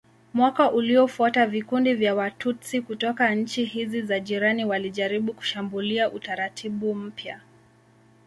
Mwaka uliofuata vikundi vya Watutsi kutoka nchi hizi za jirani walijaribu kushambulia utaratibu mpya.